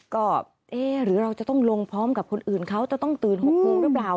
ก็เอ๊ะหรือเราจะต้องลงพร้อมกับคนอื่นเขาจะต้องตื่น๖โมงหรือเปล่า